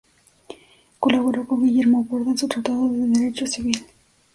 Colaboró con Guillermo Borda en su tratado de Derecho Civil.